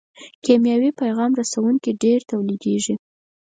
کیمیاوي پیغام رسوونکي ډېر تولیدیږي.